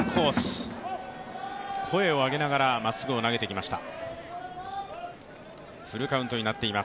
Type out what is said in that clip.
声を上げながらまっすぐを投げてきました。